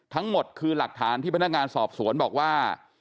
ทั้งหมดคือหลักฐานที่พนักงานสอบสวนบอกว่า